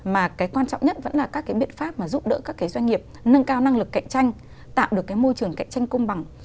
mà cái quan trọng nhất vẫn là các cái biện pháp mà giúp đỡ các cái doanh nghiệp nâng cao năng lực cạnh tranh tạo được cái môi trường cạnh tranh công bằng